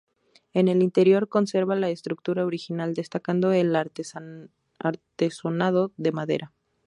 El interior conserva la estructura original, destacando el artesonado de madera.